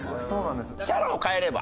キャラを変えれば？